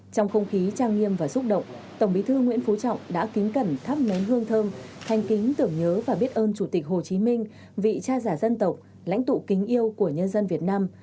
trong không khí trang nghiêm và xúc động tổng bí thư nguyễn phú trọng đã kính cẩn thắp nén hương thơm thanh kính tưởng nhớ và biết ơn chủ tịch hồ chí minh vị cha giả dân tộc lãnh tụ kính yêu của nhân dân việt nam